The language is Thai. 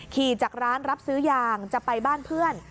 ขี่จากร้านรับซื้อยางจะไปบ้านเพื่อน